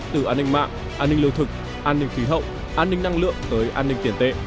từ an ninh mạng an ninh lương thực an ninh khí hậu an ninh năng lượng tới an ninh tiền tệ